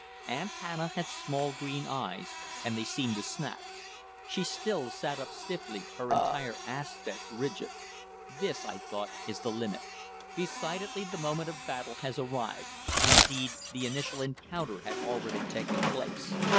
Aunt Hannah has small green eyes, and they seemed to snap. She still sat up stiffly, her entire aspect rigid. "This," I thought, "is the limit. Decidedly the moment of battle has arrived" indeed, the initial encounter had already taken place.